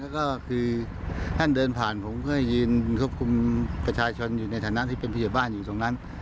ก็คือท่านเดินผ่านผมเอาคุยยีนทุกคุมประชาภิกษ์ชนอยู่ในฐะมานาที่เป็นพี่บ้านอยู่ตรงนั้น